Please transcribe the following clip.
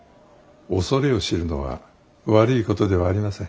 恐れを知るのは悪いことではありません。